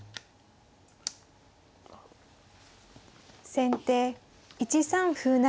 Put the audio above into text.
先手１三歩成。